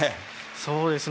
そうですね。